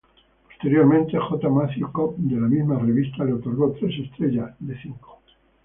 Posteriormente, J Matthew Cobb de la misma revista le otorgó tres estrellas de cinco.